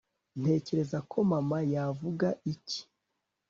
ntekereza ko, mama yavuga iki ..